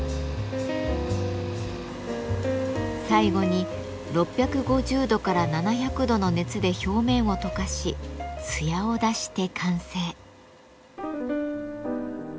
最後に６５０度から７００度の熱で表面を溶かし艶を出して完成。